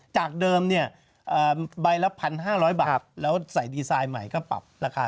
จากเดิมเนี่ยใบละ๑๕๐๐บาทแล้วใส่ดีไซน์ใหม่ก็ปรับราคา